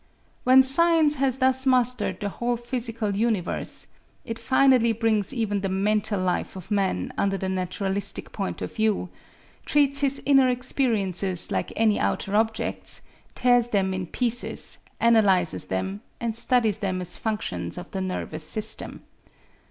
When science has thus mastered the whole physical universe, it finally brings even the mental life of man under the naturalistic point of view, treats his inner experiences like any outer objects, tears them in pieces, analyzes them, and studies them as functions of the nervous system.